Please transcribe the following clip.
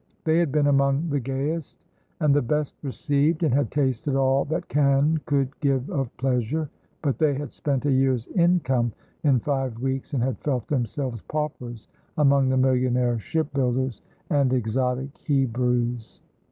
They had been among the gayest, and the best received, and had tasted all that Cannes could give of pleasure; but they had spent a year's income in five weeks, and had felt themselves paupers among the millionaire shipbuilders and exotic Hebrews.